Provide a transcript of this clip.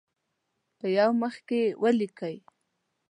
په یو مخ کې یې ولیکئ.